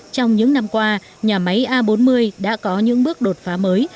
trong những năm qua nhà máy a bốn mươi đã có những bước đột phá mới